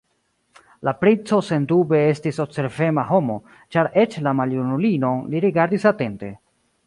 La princo sendube estis observema homo, ĉar eĉ la maljunulinon li rigardis atente.